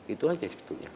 itu aja sebetulnya